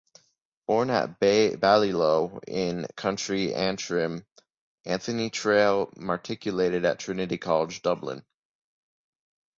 Born at Ballylough, in County Antrim, Anthony Traill matriculated at Trinity College Dublin.